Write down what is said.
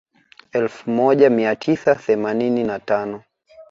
Elfu moja mia tisa themanini na tano